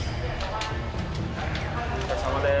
お疲れさまです。